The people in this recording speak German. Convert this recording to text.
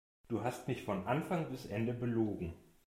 Du hast mich von Anfang bis Ende belogen.